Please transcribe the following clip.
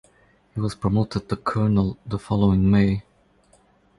He was promoted to colonel the following May.